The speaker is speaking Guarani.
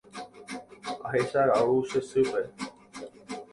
Ahechaga'u che sýpe.